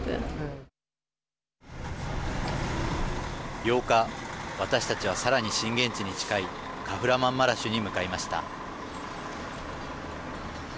８日私たちはさらに震源地に近いカフラマンマラシュに向かいました。